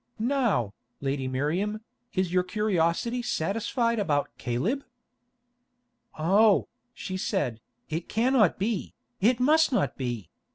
Now, Lady Miriam, is your curiosity satisfied about Caleb?" "Oh," she said, "it cannot be, it must not be!